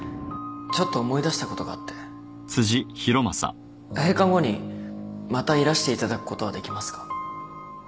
ちょっと思い出したことがあって閉館後にまたいらしていただくことはできますか？